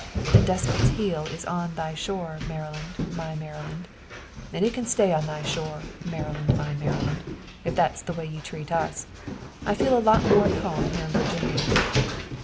'The despot's heel is on thy shore, Maryland, my Maryland,' and it can stay on thy shore, Maryland, my Maryland, if that's the way you treat us. I feel a lot more at home here in Virginia."